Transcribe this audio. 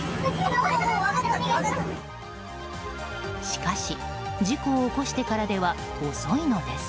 しかし事故を起こしてからでは遅いのです。